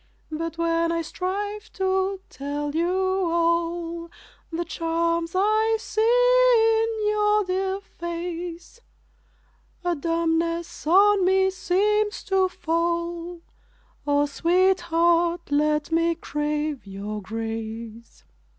But when I strive to tell you all, The charms I see in your dear face, A dumbness on me seems to fall O, sweetheart, let me crave your grace!